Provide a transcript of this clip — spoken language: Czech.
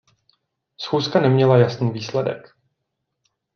Schůzka neměla jasný výsledek.